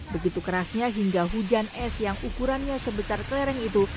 begitu kerasnya hingga hujan es yang ukurannya sebesar kelereng itu